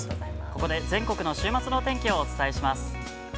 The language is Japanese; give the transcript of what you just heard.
◆ここで全国の週末のお天気をお伝えします。